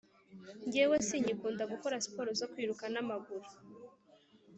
Njyewe sinyikunda gukora siporo zo kwiruka n’amaguru